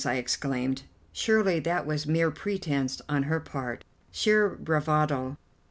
I exclaimed, "surely that was mere pretence on her part; sheer bravado."